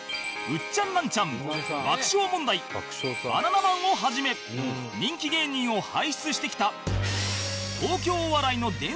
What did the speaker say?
ウッチャンナンチャン爆笑問題バナナマンをはじめ人気芸人を輩出してきた